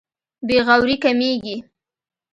بې غوري کمېږي.